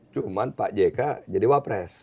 cuma pak jk jadi wapres